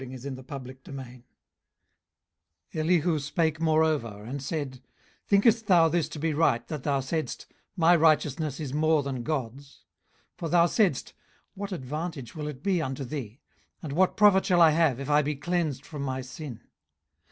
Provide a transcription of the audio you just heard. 18:035:001 Elihu spake moreover, and said, 18:035:002 Thinkest thou this to be right, that thou saidst, My righteousness is more than God's? 18:035:003 For thou saidst, What advantage will it be unto thee? and, What profit shall I have, if I be cleansed from my sin?